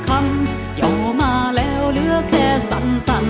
คำโยมาแล้วเหลือแค่สั่น